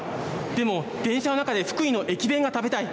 でも、電車の中で福井の駅弁が食べたい。